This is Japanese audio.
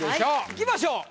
いきましょう。